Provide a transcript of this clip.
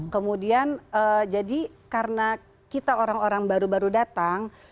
kemudian jadi karena kita orang orang baru baru datang